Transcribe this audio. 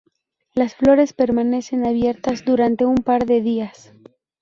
Las flores permanecen abiertas durante un par de días.